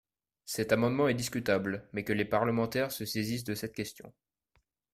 Cet amendement est discutable, mais que les parlementaires se saisissent de cette question